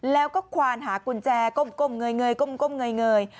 แล้วก็ควานหากุญแจก้มเงย